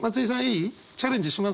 チャレンジします？